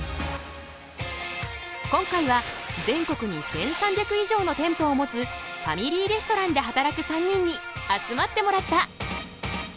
今回は全国に１，３００以上の店舗を持つファミリーレストランで働く３人に集まってもらった！